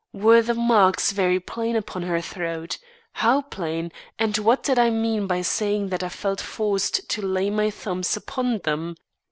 Were the marks very plain upon her throat? How plain; and what did I mean by saying that I felt forced to lay my thumbs upon them?